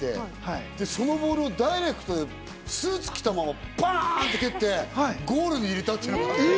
そのボールをダイレクトでスーツ着たままパンって蹴って、ゴールに入れた。